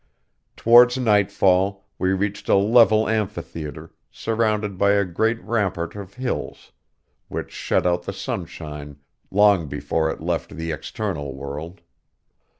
Towards nightfall we reached a level amphitheatre, surrounded by a great rampart of hills, which shut out the sunshine long before it left the external world.